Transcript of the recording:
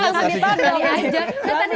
baru balik banget